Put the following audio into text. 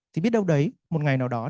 thì biết đâu đấy một ngày nào đó